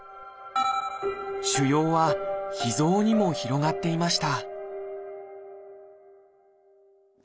腫瘍は脾臓にも広がっていました